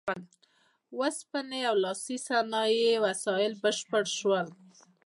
اوسپنې او لاسي صنایعو وسایل بشپړ شول.